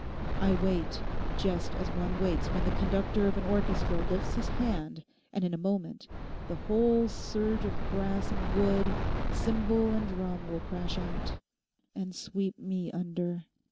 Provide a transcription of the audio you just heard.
I wait, just as one waits when the conductor of an orchestra lifts his hand and in a moment the whole surge of brass and wood, cymbal and drum will crash out—and sweep me under.